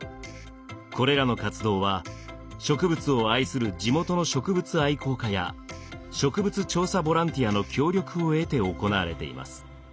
これらの活動は植物を愛する地元の植物愛好家や植物調査ボランティアの協力を得て行われています。